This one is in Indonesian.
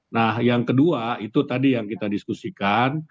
nah yang kedua itu tadi yang kita diskusikan